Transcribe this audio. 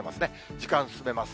時間進めます。